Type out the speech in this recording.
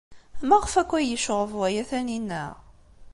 Maɣef akk ay yecɣeb waya Taninna?